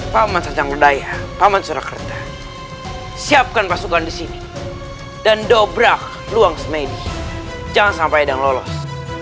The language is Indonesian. paman sancang ledaya paman surakerta siapkan pasukan di sini dan dobrak luang semedi jangan sampai edang lolos